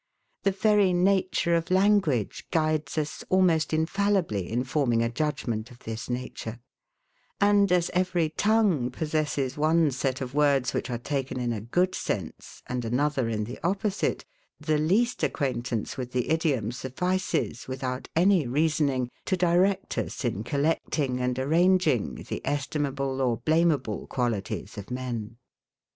The very nature of language guides us almost infallibly in forming a judgement of this nature; and as every tongue possesses one set of words which are taken in a good sense, and another in the opposite, the least acquaintance with the idiom suffices, without any reasoning, to direct us in collecting and arranging the estimable or blameable qualities of men.